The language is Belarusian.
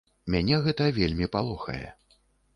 Мяне гэта вельмі палохае.